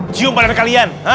jium badan kalian